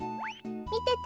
みてて。